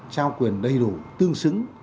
trao quyền đầy đủ tương xứng